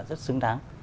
rất xứng đáng